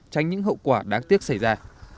tránh những hậu quả đáng tiếc xảy ra